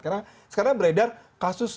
karena sekarang beredar kasus